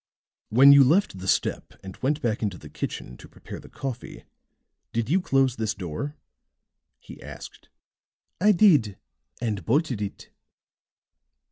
"When you left the step and went back into the kitchen to prepare the coffee, did you close this door?" he asked. "I did; and bolted it."